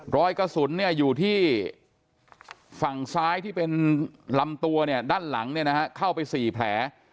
รอยกระสุนอยู่ที่ฝั่งซ้ายที่เป็นลำตัวเนี่ยด้านหลังเข้าไป๔แผล